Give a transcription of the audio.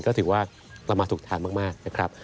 คือว่าประมาณสุขฐานมาก